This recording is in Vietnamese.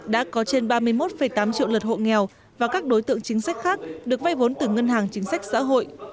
đã có trên ba mươi một tám triệu lượt hộ nghèo và các đối tượng chính sách khác được vay vốn từ ngân hàng chính sách xã hội